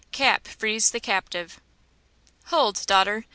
CAP FREES THE CAPTIVE. Hold, daughter!